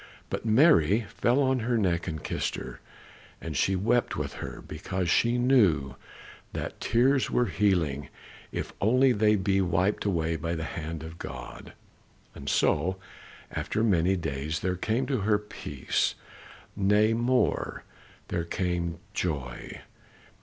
But Mary fell on her neck and kissed her, and she wept with her, because she knew that tears are healing, if only they be wiped away by the hand of God. And so, after many days, there came to her peace; nay, more, there came joy.